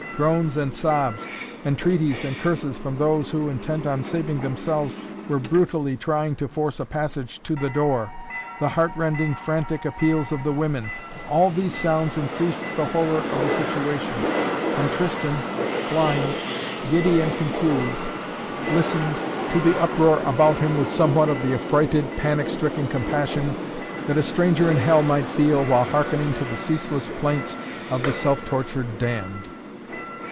Groans and sobs, entreaties and curses from those, who, intent on saving themselves, were brutally trying to force a passage to the door, the heart rending, frantic appeals of the women all these sounds increased the horror of the situation, and Tristan, blind, giddy and confused, listened to the uproar about him with somewhat of the affrighted, panic stricken compassion that a stranger in hell might feel, while hearkening to the ceaseless plaints of the self tortured damned.